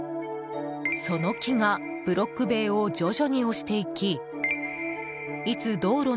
その木がブロック塀を徐々に押していき